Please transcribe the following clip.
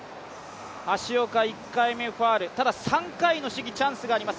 橋岡、１回目ファウルただ、３回の試技、チャンスがあります。